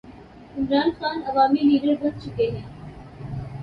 عمران خان عوامی لیڈر بن چکے ہیں۔